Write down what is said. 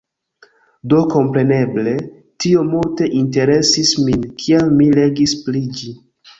Do kompreneble, tio multe interesis min, kiam mi legis pri ĝi.